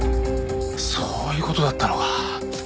そういう事だったのか。